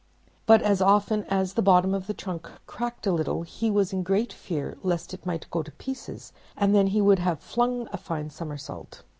But as often as the bottom of the trunk cracked a little he was in great fear lest it might go to pieces, and then he would have flung a fine somersault!